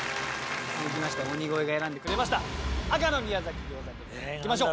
続きまして鬼越が選んでくれました赤の宮崎餃子ですいきましょう。